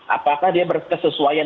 apakah dia berkesesuaian